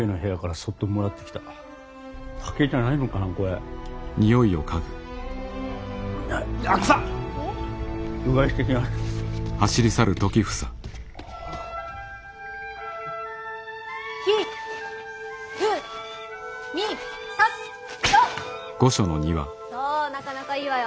そうなかなかいいわよ。